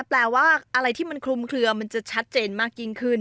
แปลว่าอะไรที่มันคลุมเคลือมันจะชัดเจนมากยิ่งขึ้น